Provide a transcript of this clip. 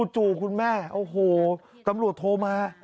จู่คุณแม่โอ้โหตำรวจโทรมา